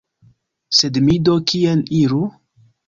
Sed mi do kien iru?